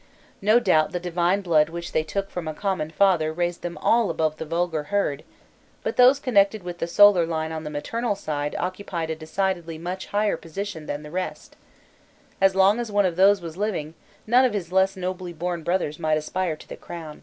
No doubt the divine blood which they took from a common father raised them all above the vulgar herd but those connected with the solar line on the maternal side occupied a decidedly much higher position than the rest: as long as one of these was living, none of his less nobly born brothers might aspire to the crown.